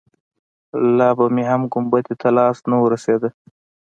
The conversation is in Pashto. لا به يې هم ګنبدې ته لاس نه وررسېده.